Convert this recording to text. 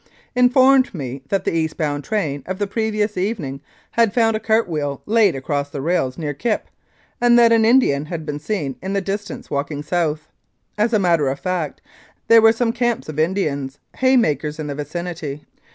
informed me that the East bound train of the previous evening had found a cart wheel laid across the rails near Kipp, and that an Indian had been seen in the distance walking south. As a matter of fact, there were some camps of Indians, hay makers, in the vicinity.